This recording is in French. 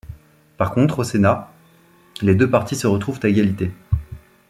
Par contre, au Sénat, les deux partis se retrouvaient à égalité.